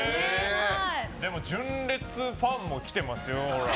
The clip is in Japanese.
純烈ファンも来ていますよ。